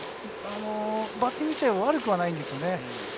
バッティング自体は悪くないです。